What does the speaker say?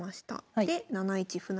で７一歩成。